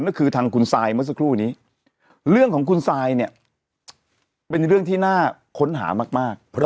ก็คือทางคุณซายเมื่อสักครู่นี้เรื่องของคุณซายเนี่ยเป็นเรื่องที่น่าค้นหามาก